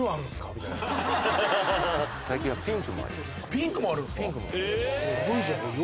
ピンクもあるんすか。